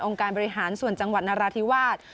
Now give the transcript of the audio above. การบริหารส่วนจังหวัดนราธิวาส